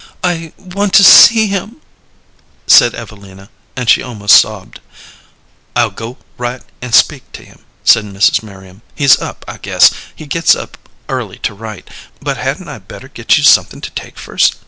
"I want to see him," said Evelina, and she almost sobbed. "I'll go right and speak to him," said Mrs. Merriam. "He's up, I guess. He gets up early to write. But hadn't I better get you something to take first?